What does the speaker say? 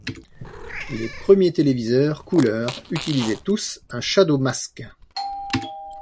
Les premiers téléviseurs couleur utilisaient tous un shadow mask.